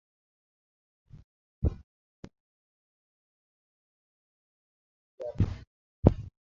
Je sode se pel deger.